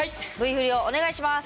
Ｖフリをお願いします。